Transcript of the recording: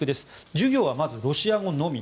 授業はまずロシア語のみ。